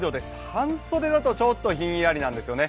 半袖だとちょっとひんやりなんですよね。